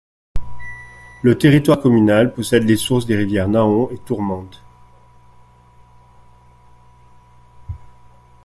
Le territoire communal possède les sources des rivières Nahon et Tourmente.